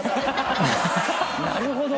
「なるほど！」